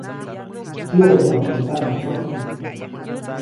Kyäʼomyajuʼuŋ teʼ taʼnätsojpyiʼk.